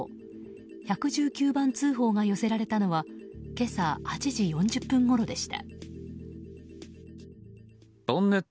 １１９番通報が寄せられたのは今朝８時４０分ごろでした。